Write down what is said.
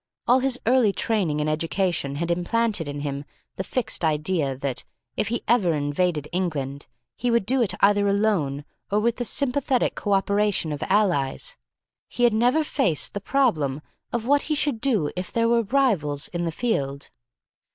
All his early training and education had implanted in him the fixed idea that, if he ever invaded England, he would do it either alone or with the sympathetic co operation of allies. He had never faced the problem of what he should do if there were rivals in the field.